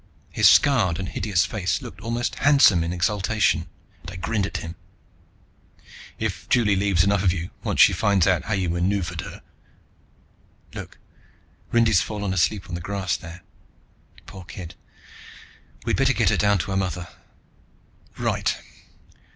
His scarred and hideous face looked almost handsome in exultation, and I grinned at him. "If Juli leaves enough of you, once she finds out how you maneuvered her. Look, Rindy's fallen asleep on the grass there. Poor kid, we'd better get her down to her mother." "Right."